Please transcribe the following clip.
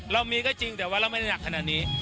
เรามีก็จริงแต่ว่าเราไม่ได้หนักขนาดนี้